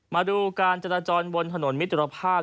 มาดูการจราจรบนถนนมิตรภาพ